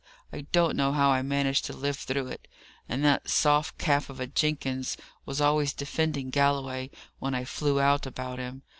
I don't know how I managed to live through it; and that soft calf of a Jenkins was always defending Galloway when I flew out about him.